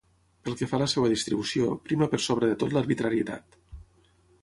Pel que fa a la seva distribució, prima per sobre de tot l'arbitrarietat.